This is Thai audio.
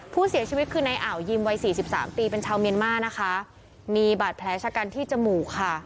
ผู้เสียชีวิตคือในอ่าวยิมวัยสี่สิบสามปีเป็นชาวเมียนมานะคะมีบาดแผลชะกันที่จมูกค่ะ